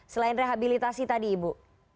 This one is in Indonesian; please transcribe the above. selain rehabilitasi tadi ibu